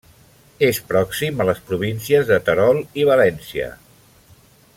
És pròxim a les províncies de Terol i València.